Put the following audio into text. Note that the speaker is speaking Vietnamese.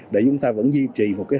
để chúng ta vẫn duy trì một hình